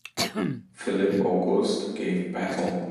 Philippe Auguste gave battle.